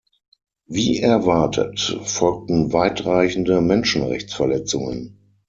Wie erwartet, folgten weitreichende Menschenrechtsverletzungen.